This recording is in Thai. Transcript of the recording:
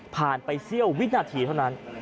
ผ่านไปเซี่ยววินาทีเท่านั้น